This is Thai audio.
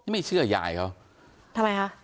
ไม่เชื่อยายเขาทำไมคะ